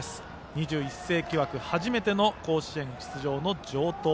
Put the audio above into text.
２１世紀枠、初めての甲子園出場の城東。